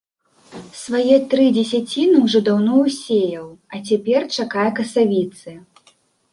Свае тры дзесяціны ўжо даўно ўсеяў, а цяпер чакае касавіцы.